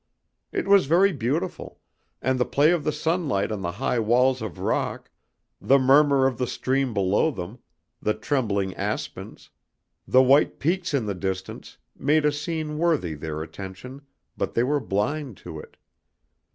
It was very beautiful, and the play of the sunlight on the high walls of rock, the murmur of the stream below them, the trembling aspens, the white peaks in the distance, made a scene worthy their attention, but they were blind to it.